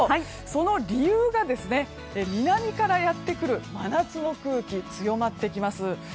その理由が、南からやってくる真夏の空気強まってきます。